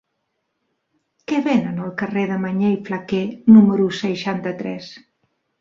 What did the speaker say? Què venen al carrer de Mañé i Flaquer número seixanta-tres?